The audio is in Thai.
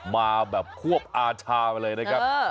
มาแบบควบอาชามาเลยนะครับ